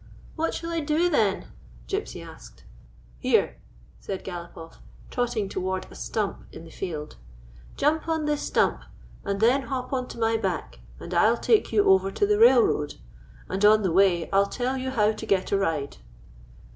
" What shall I do, then ?" Gypsy asked. " Here," said Galopoff, trotting toward a stump in the field, "jump up on this stump, and then hop on to my back, and I 'll take you over to the railroad, and on the way I 'll tell you how to get a ride."